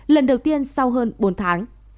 lần đầu tiên sau hơn bốn tháng